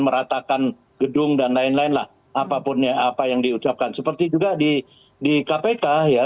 meratakan gedung dan lain lain lah apapun ya apa yang diucapkan seperti juga di kpk ya